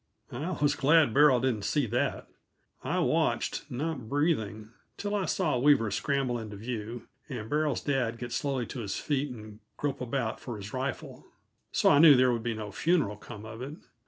I was glad Beryl didn't see that. I watched, not breathing, till I saw Weaver scramble into view, and Beryl's dad get slowly to his feet and grope about for his rifle; so I knew there would be no funeral come of it.